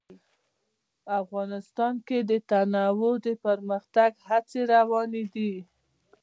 افغانستان کې د تنوع د پرمختګ هڅې روانې دي.